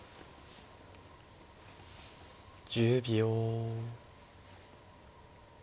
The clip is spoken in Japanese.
１０秒。